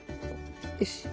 よし。